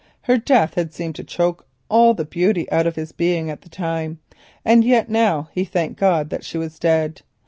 Her death had seemed to choke all the beauty out of his being at the time, and yet now he thanked heaven that she was dead.